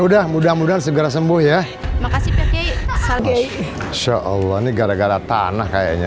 sudah mudah mudahan segera sembuh ya makasih pake salib seolah negara negara tanah kayaknya